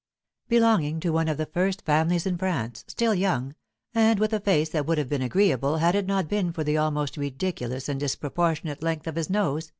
Belonging to one of the first families in France, still young, and with a face that would have been agreeable had it not been for the almost ridiculous and disproportionate length of his nose, M.